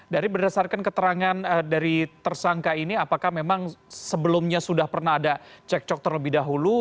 dari berdasarkan keterangan dari tersangka ini apakah memang sebelumnya sudah pernah ada cekcok terlebih dahulu